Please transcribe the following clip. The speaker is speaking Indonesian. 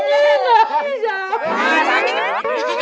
sampai jumpa lagi